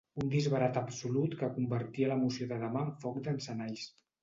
Un disbarat absolut que convertia la moció de demà en foc d’encenalls.